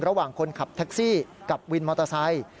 ระหว่างคนขับแท็กซี่กับวินมอเตอร์ไซค์